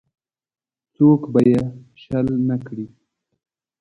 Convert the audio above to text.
څوک به یې شل نه کړي.